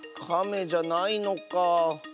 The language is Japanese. カメじゃないのかあ。